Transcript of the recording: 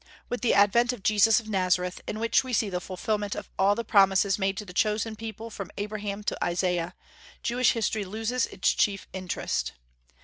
With the advent of Jesus of Nazareth, in which we see the fulfilment of all the promises made to the chosen people from Abraham to Isaiah, Jewish history loses its chief interest.